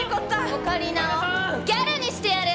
オカリナをギャルにしてやる！